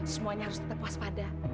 semuanya harus tetap puas pada